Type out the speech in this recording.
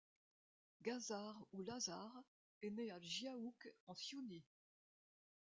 Ghazar ou Lazare est né à Djahouk en Siounie.